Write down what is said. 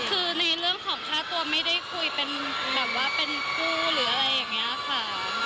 คือในเรื่องของค่าตัวไม่ได้คุยเป็นแบบว่าเป็นคู่หรืออะไรอย่างนี้ค่ะ